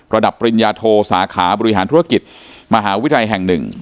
ปริญญาโทสาขาบริหารธุรกิจมหาวิทยาลัยแห่ง๑